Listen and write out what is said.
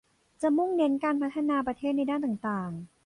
จะมุ่งเน้นการพัฒนาประเทศในด้านต่างต่าง